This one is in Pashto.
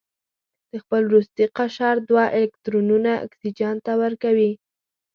د خپل وروستي قشر دوه الکترونونه اکسیجن ته ورکوي.